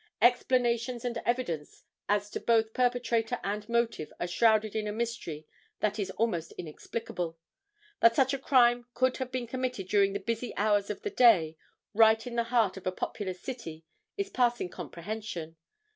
Explanations and evidence as to both perpetrator and motive are shrouded in a mystery that is almost inexplicable. That such a crime could have been committed during the busy hours of the day, right in the heart of a populous city, is passing comprehension.